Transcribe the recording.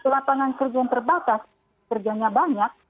lapangan kerja yang terbatas kerjanya banyak